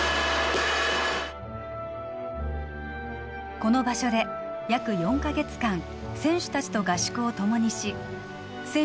この場所で約４か月間選手たちと合宿を共にし選手